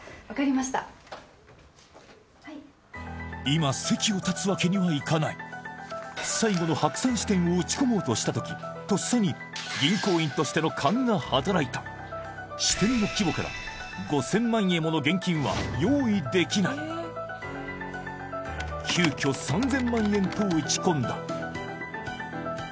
今席を立つわけにはいかない最後の白山支店を打ち込もうとした時とっさにが働いた支店の規模から５０００万円もの現金は用意できない急きょ３０００万円と打ち込んだ